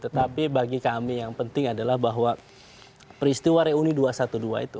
tetapi bagi kami yang penting adalah bahwa peristiwa reuni dua ratus dua belas itu